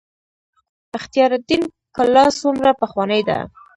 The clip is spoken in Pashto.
اختیار الدین کلا څومره پخوانۍ ده؟